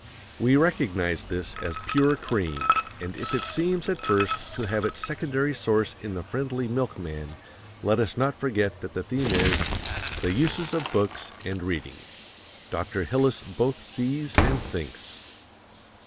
We recognize this as pure cream, and if it seems at first to have its secondary source in the friendly milkman, let us not forget that the theme is "The Uses of Books and Reading." Dr. Hillis both sees and thinks.